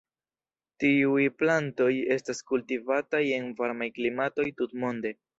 Tiuj plantoj estas kultivataj en varmaj klimatoj tutmonde.